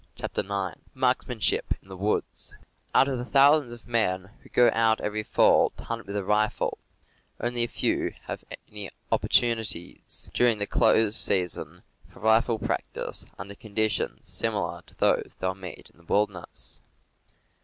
CHAPTER IX MARKSMANSHIP IN THE WOODS /^UT of the thousands of men who go out every fall ^^ to hunt with the rifle, only a few have any op portunities, during the close season, for rifle practice under conditions similar to those they will meet in the wilderness.